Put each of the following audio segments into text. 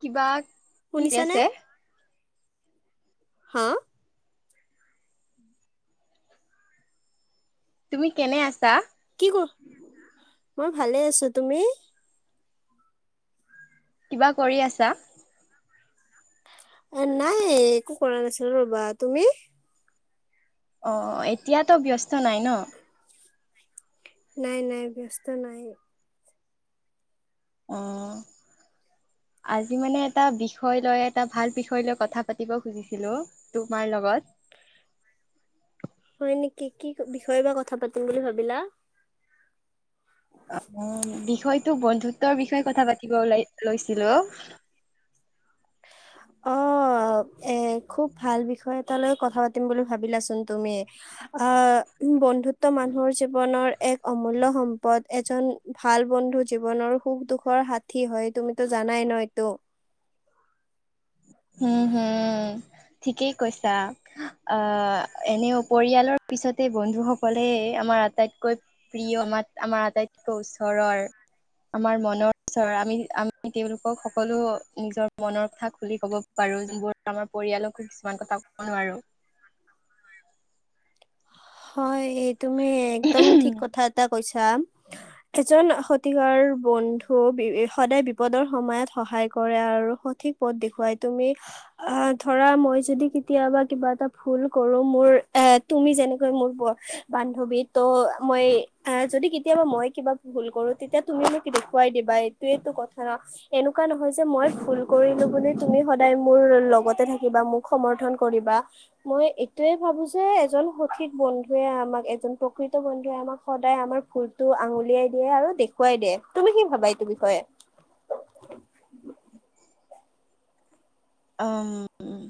কিবা কি শুনিছানে? আছে হা তুমি কেনে আছা কি মই ভালে আছো তুমি কিবা কৰি আছা এ নাই একো কৰা নাছিলো ৰবা তুমি অ এতিয়াতো ব্যস্ত নাই ন নাই নাই ব্যস্ত নাই অ আজি মানে এটা বিষয় লয় এটা ভাল বিষয় লৈ কথা পাতিব খুজিছিলো তোমাৰ লগত হয় নেকি? কি বিষয়ে বা কথা পাতিম বুলি ভাবিলা অ বিষয়টো বন্ধুত্বৰ বিষয় তাই কথা পাতিব ওলাই লৈছিলো অ এ খুব ভাল বিষয় এটালৈ কথা পাতিম বুলি ভাবিলাচোন তুমি। অ বন্ধুত্ব মানুহৰ জীৱনৰ এক অমূল্যয় সম্পদ এজন ভাল বন্ধু জীৱনৰ সুখ দুখৰ সাঠী হয়। তুমিতো জানাই ন এইতটো উম হম ঠিকেই কৈছা আহ এনেও পৰিয়ালৰ পিছতে বন্ধু সকলে আমাৰ আটাইতকৈ প্ৰিয় আম আমাৰ আটাইতকৈ ওচৰৰ আমাৰ মনৰ ওচৰ আমি আমি তেওঁলোকক সকলো নিজৰ মনৰ কথা খুলি ক'ব বাৰো যোনবোৰ আমাৰ পৰিয়ালকো কিছুমান কথা কব নোৱাৰো হয়। এই তুমি একদম ঠিক কথা এটা কৈছা এজন সঠিকাৰ বন্ধু সদায় বিপদৰ সময়ত সহায় কৰে আৰু সঠিক পথ দেখুৱাই তুমি আহ ধৰা মই যদি কেতিয়াবা কিবা এটা ভুল কৰোঁ মোৰ এ তুমি যেনে মোৰ বান্ধৱী ত মই আহ যদি কেতিয়াবা মই কিবা ভুল কৰোঁ তেতিয়া তুমি মোক দেখুৱাই দিবা এইটোয়েইটো কথা এনেকুৱা নহয় যে মই ভুল কৰিলোঁ বুলি তুমি সদায় মোৰ লগতে থাকিবা মোক সমৰ্থন কৰিবা মই এইটোয়ে ভাবো যে এজন সঠিক বন্ধুৱে আমাক এজন প্ৰকৃত বন্ধুৱে আমাক সদায় আমাৰ ভ ভুলটো আঙুলিয়াই দিয়ে আৰু দেখুৱাই দিয়ে তুমি কি ভাবা এইটো বিষয়ে আ উম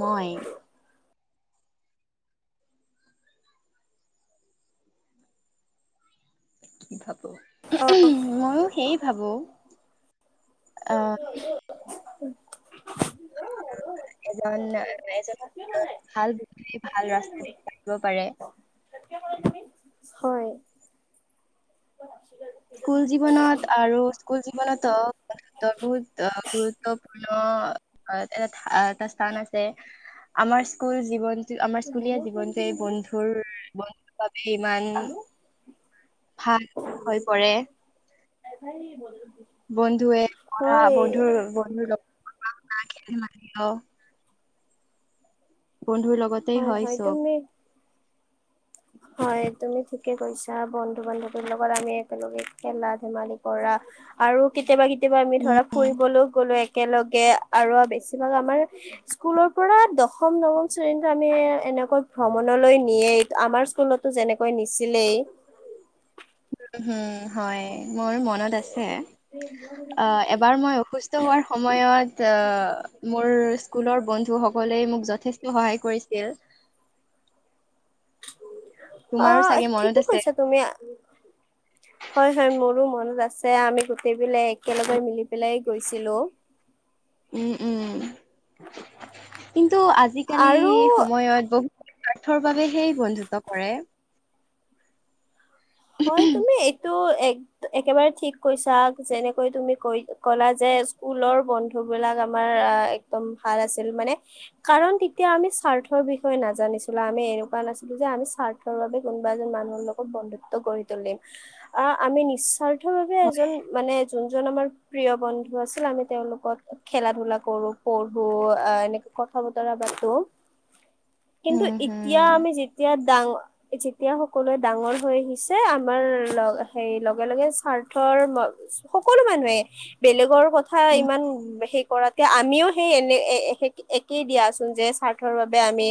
মই কি ভাৱ উমহ অ হো ময়ো সেই ভাবো আহ [unintelligible] এজন এজন অ ভাল বন্ধুৱে ভাল ৰাস্তা দেখুৱাই দিব পাৰে হয়। স্কুল জীৱনত আৰু স্কুল জীৱনতো বহুত গুৰুত্বপূৰ্ণ এটা এটা স্থান আছে আমাৰ স্কুল জীৱন আমাৰ স্কুলীয়া জীৱন যে এই বন্ধুৰ বন্ধু ইমান ভাল হয় এভাৰী বলো বন্ধুৱে পৰা বন্ধুৰ বন্ধুৰ লগত মাৰ [unintelligible] বন্ধুৰ লগতে হয় চব হয় তুমি ঠিকে কৈছা বন্ধু বান্ধৱীৰ লগত আমি একেলগে খেলা ধেমালি কৰা আৰু কেতিয়াবা কে কেতিয়াবা আমি উম ধৰা ফুৰিবলৈও গ'লে একেলগে আৰু বেছিভাগ আমাৰ স্কুলৰ পৰা দশম, নৱম শ্ৰেণীটো আমি এনেকৈ ভ্ৰমণলৈ নিয়ে। আমাৰ স্কুলতো যেনেকৈ নিছিলেই উম হোম হয় মোৰ মন মনত আছে আ এবাৰ মই অসুস্থ হোৱাৰ সময়ত আ মোৰ স্কুলৰ বন্ধুসকলে মোক যথেষ্ট যথেষ্ট সহায় কৰিছিল অ তোমাৰো চাগে মনত ঠিকে আছে কৈছা তুমি হয় হয় মোৰো মনত আছে। আমি গোটেই পেলাই একেলগে মিলি পেলাই গৈছিলো। উম উম কিন্তু আজিকালি আৰু সময়ত বহুত স্বাৰ্থৰ বাবেহে বন্ধুত্ব কৰে হয় তুমি এইটো এক একেবাৰে ঠিক কৈছা যেনেকৈ তুমি কৈ ক'লা যে স্কুলৰ বন্ধু বিলাক আমাৰ একদম ভাল আছিল মানে কাৰণ তেতিয়া আমি স্বাৰ্থৰ বিষয়ে নাজানিছিলোঁ আমি এনেকুৱা নাছিলোঁ যে আমি স্বাৰ্থৰ বাবে কোনোবা এজন মানুহৰ লগত বন্ধুত ত কৰি তুলিম আহ আমি নিশয় সকলোকে এজন মানে যোনজন আমাৰ প্ৰিয় বন্ধু আছিল আমি তেওঁলোকত খেলা ধূলা কৰোঁ পঢ়ো আহ এনেকে কথা বতৰা পাতো কিন্তু উম এতিয়া হম আমি যেতিয়া ডাঙ যেতিয়া সকলোৱে ডাঙৰ হৈ আহি আমাৰ সে লগে লগে স্বাৰ্থৰ সকলো মানুহে বেলেগৰ কথা উম ইমান হে কৰা তেয়া আমিও সেই এনে একেই দিয়াচোন যে স্বাৰ্থৰ বাবে আমি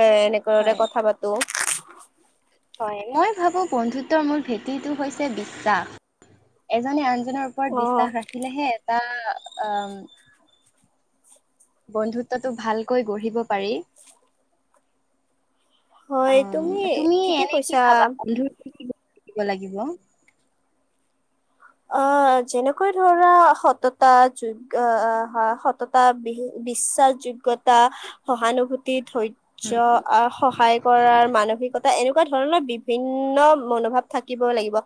এ এনেকৰে কথা পাতো [inaudible] হয় মই ভাবো বন্ধুত্বৰ মোৰ ভেটিটো হৈছে বিশ্বাস এজনী আন জনৰ অ ওপৰত বিশ্বাস ৰাখিলেহে এটা আহ বন্ধুত্বটো ভালকৈ গঢ়িব পাৰি হয় অ তুমি ঠিকে এনে কি কৈছা ভাবা বন্ধু লাগিব। আহ যেনেকৈ ধৰা সততা যোগ্ আহ সততা বিশ্বাস যোগ্যতা সহানুভূতি ধৈৰ্য্য সহায় কৰাৰ মানসিকতা এনেকুৱা ধ ধৰণৰ বিভিন্ন মনোভাৱ থাকিব লাগিব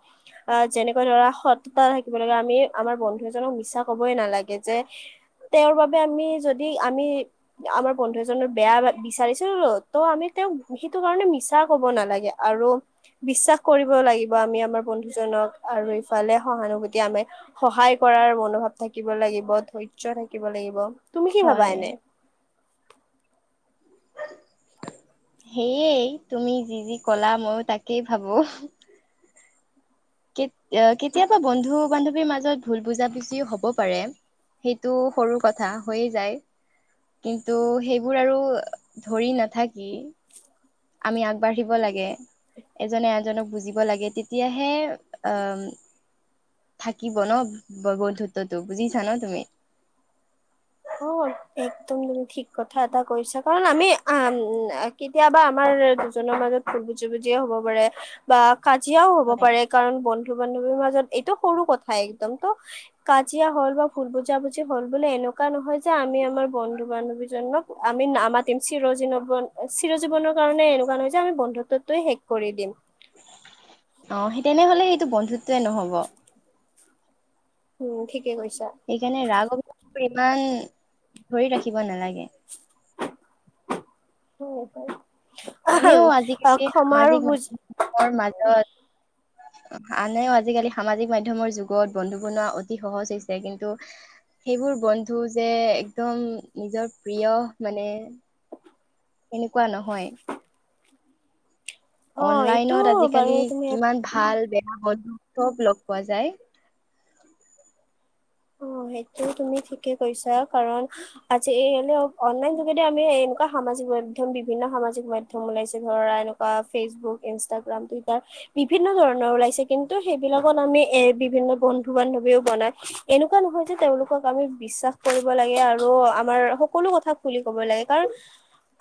আহ যেনেকৈ ধৰা স থাকিব লাগে আমি আমাৰ বন্ধু এজনক মিছা কবই নালাগে যে তেওঁৰ বাবে আমি যদি আমি আমাৰ বন্ধু এজনৰ বেয়া বিচাৰিছিলোো তো আমি তেওঁক সেইটো কাৰণে মিছা কব নালাগে আৰু বিশ্বাস কৰিব লাগিব আমি আমাৰ বন্ধুজনক আৰু ইফালে সহানুভূতি আমি সহায় কৰাৰ মনোভাৱ থাকিব লাগিব ধৰ্যয় থাকিব লাগিব তুমি কি ভাবা হয়। এনে সেয়ে তুমি যি যি কলা ময়ো তাকেই ভাবো। কে কেতিয়াবা বন্ধু বান্ধৱীৰ মাজত ভুল বুজাবুজি হব পাৰে সেইটো সৰু কথা হৈয়ে যায় কিন্তু সেইবোৰ আৰু ধৰি নাথাকি আমি আগবাঢ়িব লাগে এজনে এজনক বুজিব লাগে তেতিয়াহে আহ থাকিব ন বন্ধুত্বটো বুজিছা ন তুমি অ একদম তুমি ঠিক কথা এটা কৈছা কাৰণ আমি উ কেতিয়াবা আমাৰ দুজনৰ মাজত বুজ বুজিয় হব পাৰে বা কাজিয়াও হ'ব পাৰে কাৰণ বন্ধু বন্ধু বান্ধৱীৰ মাজত এইটো সৰু কথাই একদম ত কাজিয়া হ'ল বা ভুল বুজাবুজি হল বোলে এনেকুৱা কা নহয় যে আমি আমাৰ বন্ধু বান্ধৱীজনক আমি আমাৰ তিমচি ৰজ ন চিৰ জীৱনক কাৰণে এনেকুৱা নহয় যে আমি বন্ধুত্বত ত শেষ কৰি দিম অ সেই তেনেহলে সেইটো বন্ধুত্বয়ে নহব উম ঠিক [unintelligible] ইমান ধৰি ৰাখিব নালাগে [unintelligible] আহাম, এনেও অ', আজিকালি ক্ষমা আৰু সামাজিক বুজ মাধমৰ মাজত আনেও আজিকালি সামাজিক মাধ্য়মৰ যুগত বন্ধু বনোৱা অতি সহজ হৈছে কিন্তু সেইবোৰ বন্ধু যে একদম নিজৰ প্ৰিয় মানে এনেকুৱা নহয় অ', এইটো অনলাইনত বাৰু আজিকালি তুমি এটা কিমান ভাল বে বন্ধু চব লগ পোৱা যায় অ সেইটো তুমি ঠিকে কৈইছা কাৰণ আজি এই অ অনলাইন যোগেদি আমি সামাজিক মাধ্যম বিভিন্ন সামাজিক মাধ্যম ওলাইছে ধৰা এনেকুৱা ফেচবুক ইনষ্টাগ্ৰাম টুইটাৰ বিভিন্ন ধৰণৰ ওলাইছে কিন্তু সেইবিলাকত আমি এ বিভিন্ন বন্ধু বান্ধৱীও বনাই এনেকুৱা নহয় যে তেওঁলোকক আমি বিশ্বাস কৰিব লাগে আৰু আমাৰ সকলো কথা খুলি ক'ব লাগে কাৰণ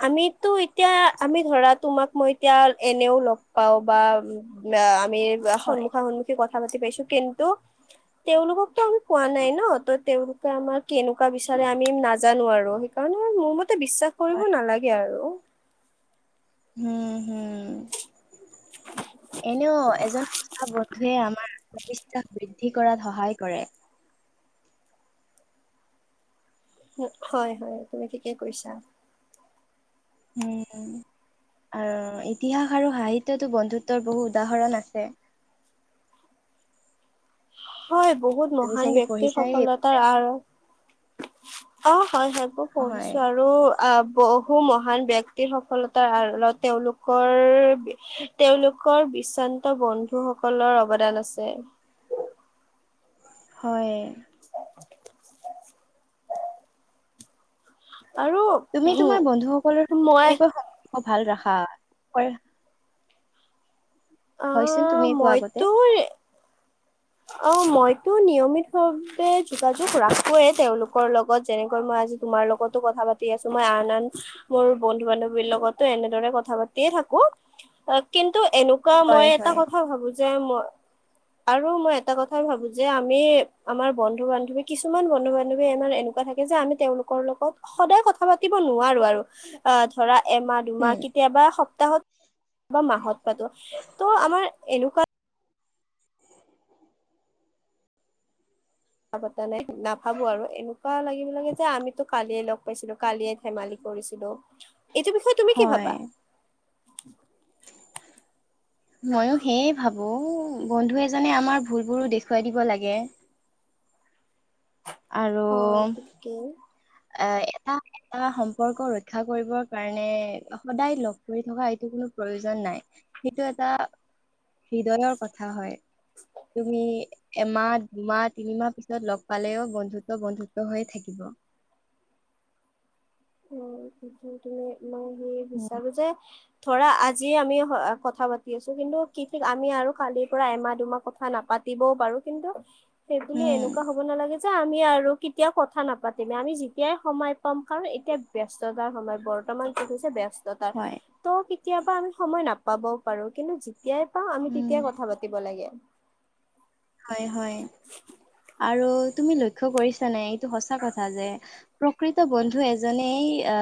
আমিতো এতিয়া আমি ধৰা তোমাক মই এতিয়া এনেও লগ পাওঁ বা বা হয় সন্মুখা সন্মুখী কথা ভালকে পাইছো কিন্তু তেওঁলোককতো আমি কোৱা নাই ন ত তেওঁলোকে আমাৰ কেনেকুৱা বিচাৰে আমি নাজানো আৰু সেইকাৰণে মোৰ মতে বিশ্বাস কৰিব হয়। নালাগে আৰু উম উম এনেও এজন সঁচা বন্ধুৱে আমাৰ আ বিশ্বাস বৃদ্ধি কৰাত সহায় কৰে। হয় হয় তুমি ঠিকে কৈছা উম আৰু ইতিহাস আৰু সাহিত্যতো বন্ধুত্বৰ বহু উদাহৰণ আছে। [inaudible] হয় বহুত তুমি মহান চাগে ব্যক্তিৰ পঢ়িছাই সেইবোৰ। সফলতাৰ আৰু অহঁ হয় হয় মউ হয়, পঢ়িছো আৰু আ ব বহু মহান ব্যক্তিৰ সফলতাৰ আঁৰত তেওঁলোকৰ তেওঁলোকৰ বিশান্ত বন্ধুসকলৰ অৱদান আছে। হয়। [inaudible] তুমি তোমাৰ বন্ধু সকলৰ মই কেনেকৈ সম্পৰ্ক ভাল ৰাখা। [unintelligible] হয়চোন আহ তুমি কোৱা আগতে। মইতো অ মইতো নিয়মিত ভাৱে যোগাযোগ ৰাখোয়েই তেওঁলোকৰ লগত যেনেকৈ মই আজি তোমাৰ লগতো কথা পাতি আছো মই আন আন মোৰ বন্ধু বান্ধৱীৰ লগতো এনেদৰে কথা পাতিয়ে থাকো কিন্তু টো এনেকুৱা হয়, মই এটা হয়, কথা ভাবো যে মই আৰু মই এটা কথা ভাবো যে আমি আমাৰ বন্ধু বান্ধৱী কিছুমান বন্ধু বান্ধৱী ইমান এনেকুৱা থাকে যে আমি তেওঁলোকৰ লগত সদায় কথা পাতিব নোৱাৰো আৰু অ ধৰা এমাহ দুমাহ উম, কেতিয়াবা সপ্তাহত বা মাহত পাতো ত' আমাৰ এনেকুৱা কথা পতা নাই নাভাবো আৰু এনেকুৱা লাগিব লাগে যে আমিতো কালিয়ে লগ পাইছিলো কালিয়ে ধেমালি কৰিছিলো। এইটো বিষয়ে তুমি কি হয়। ভাবা [inaudible] মইও সেয়ে ভাবো বন্ধু এজনে আমাৰ ভুলবোৰো দেখুৱাই দিব লাগে [unintelligible] আৰু অ এইটো ঠিকেই এ এটা এটা সম্পৰ্ক ৰক্ষা কৰিবৰ কাৰণে সদায় লগ কৰি থকা এইটো কোনো প্ৰয়োজন নাই সেইটো এটা হৃদয়ৰ কথা হয়। তুমি এমাহ, দুমাহ, তিনিমাহ পিছত লগ পালেও বন্ধুত্ব, বন্ধুত্ব হৈয়ে থাকিব। অ [unintelligible] তুমি মই সেই বিচাৰো যে ধৰা আজ যি আমি কথা পাতি আছো কিন্তু কি ঠিক আমি আৰু কালিৰ পৰা এমাহ দুমাহ কথা নাপাতিবও পাৰো কিন্ত সেইবুলি উম, এনেকুৱা হ'ব নালাগে যে আমি আৰু কেতিয়াও কথা নাপাতিমে আমি যেতিয়াই সময় পাম কাৰণ এটি এতিয়া ব্যস্ততাৰ সময়। বৰ্তমান দেখিছে ব্যস্ত হয়। ত' কেতিয়াবা আমি সময় নাপা পাবও পাৰো কিন্তু যেত তেতিয়াই পাওঁ আমি তেতিয়াই উম, কথা পাতিব লাগে। হয়, হয়। আৰু তুমি লক্ষ্য কৰিছা নাই? এইটো সঁচা কথা যে প্ৰকৃত বন্ধু এজনেই আ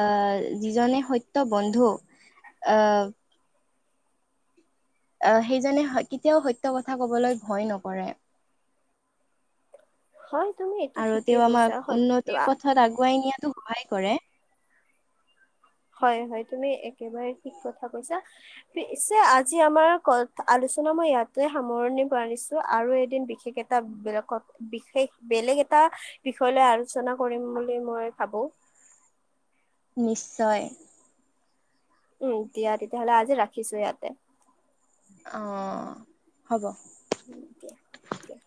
যিজনে সত্য বন্ধু আ আ সেইজনে কেতিয়াও সত্য কথা কবলৈ ভয় নকৰে। হয় তুমি এইটো আৰু ঠিকেই তেওঁ কৈছা আমাক উন্নতিৰ সত্য পথত আগুৱাই নিয়া টো সহায় কৰে। হয়, হয়। তুমি এক একেবাৰে ঠিক কথা কৈছা পিছে আজি আমাৰ ক আলোচনা মই ইয়াতে সামৰণি মাৰিছো আৰু এদিন বিশেষ এটা বেলেগ বিশেষ বেলেগ এটা বিষয় লৈ আলোচনা কৰিম বুলি মই ভাবো। নিশ্চয়। উম, দিয়া তেতিয়াহলে আজি ৰাখিছো ইয়াতে। অ, হ'ব। ও দিয়া, দিয়া।